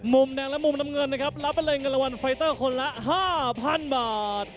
มุมแดงและมุมน้ำเงินนะครับรับไปเลยเงินรางวัลไฟเตอร์คนละ๕๐๐๐บาท